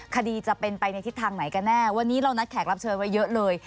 คดีจะเป็นไปในทิศทางไหนกันแน่วันนี้เรานัดแขกรับเชิญไว้เยอะเลย